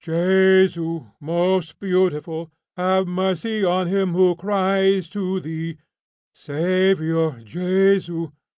Jesu, most beautiful, have mercy on him who cries to Thee, Saviour Jesu.